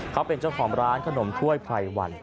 เขาเป็นเจ้าของร้านขนมถ้วยไพรวัน